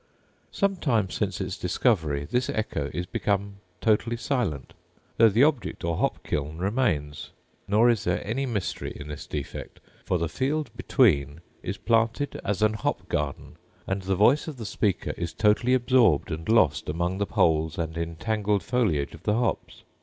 Some time since its discovery this echo is become totally silent, though the object, or hop kiln remains: nor is there any mystery in this defect, for the field between is planted as an hop garden, and the voice of the speaker is totally absorbed and lost among the poles and entangled foliage of the hops.